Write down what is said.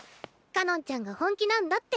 かのんちゃんが本気なんだって。